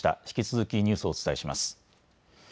引き続きニュースをお伝えします。